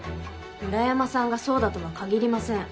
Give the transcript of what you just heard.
村山さんがそうだとは限りません。